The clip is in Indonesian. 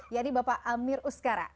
yaitu bapak amir uskara